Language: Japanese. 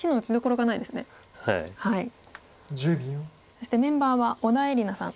そしてメンバーは小田えりなさん